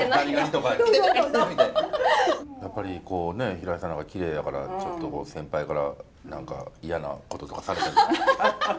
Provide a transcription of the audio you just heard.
やっぱりこうね平井さんとかきれいだからちょっとこう先輩から何か嫌なこととかされたり。